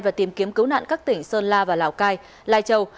và tìm kiếm cứu nạn các tỉnh sơn la và lào cai lai châu